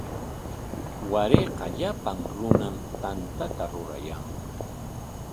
Warayqa llapan runam tantata rurayanqa.